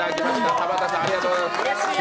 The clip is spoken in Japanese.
田畑さん、ありがとうございます。